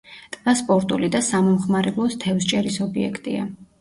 ტბა სპორტული და სამომხმარებლო თევზჭერის ობიექტია.